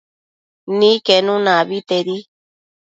Niquenuna abetedi